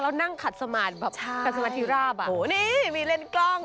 แล้วนั่งขัดสมาธิแบบกับสมาธิราบอ่ะโอ้นี่มีเล่นกล้อง